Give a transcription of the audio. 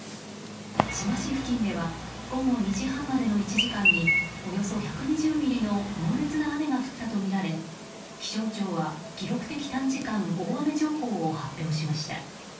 志摩市付近では午後２時半までの１時間におよそ１２０ミリの猛烈な雨が降ったとみられ気象庁は記録的短時間大雨情報を発表しました。